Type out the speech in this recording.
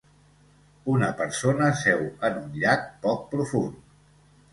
Una persona seu en un llac poc profund.